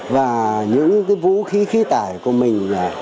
và những cái vũ khí khí tải của mình đã